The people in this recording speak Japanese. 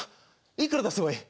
いくら出せばいい？